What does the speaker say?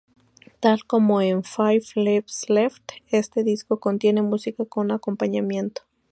Tal como en "Five Leaves Left", este disco contiene música con acompañamiento.